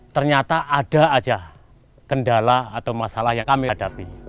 ternyata ada aja kendala atau masalah yang kami hadapi